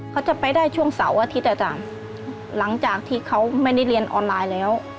เขาจะไปได้ช่วงเสาร์อาทิตย์อาจารย์หลังจากที่เขาไม่ได้เรียนออนไลน์แล้ว